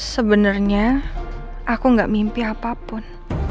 sebenarnya aku gak mimpi apapun